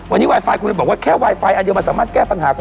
วันนี้ไวไฟคุณบอกว่าแค่ไวไฟอาโยบาสสามารถแก้ปัญหา